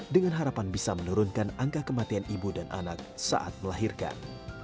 dengan harapan bisa menurunkan angka kematian ibu dan anak saat melahirkan